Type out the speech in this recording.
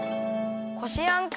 こしあんか。